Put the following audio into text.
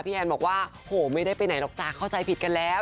แอนบอกว่าโหไม่ได้ไปไหนหรอกจ้ะเข้าใจผิดกันแล้ว